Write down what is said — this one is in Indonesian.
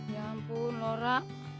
ya ampun lora